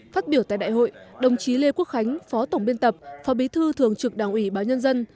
phát biểu tại đại hội đồng chí lê quốc khánh phó tổng biên tập phó bí thư thường trực đảng ủy báo nhân dân